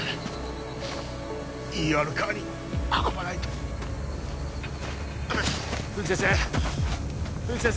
ＥＲカーに運ばないと冬木先生冬木先生